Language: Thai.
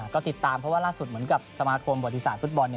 ก็ติดตามเพราะว่าล่าสุดเหมือนกับสมาคมบริษัทฟุตบอล